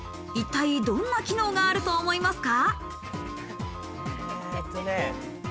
一体どんな機能があると思いますか？